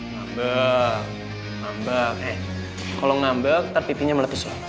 ngambek ngambek eh kalau ngambek tapi pipinya meletus